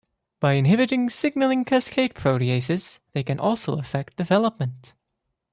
By inhibiting signalling cascade proteases, they can also affect development.